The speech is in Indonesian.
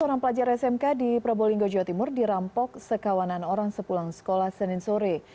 seorang pelajar smk di probolinggo jawa timur dirampok sekawanan orang sepulang sekolah senin sore